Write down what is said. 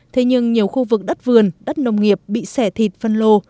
thế nhưng nhiều khu vực đất vườn đất nông nghiệp bị xẻ thịt phân lô